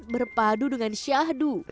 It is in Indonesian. berpadu dengan syahdu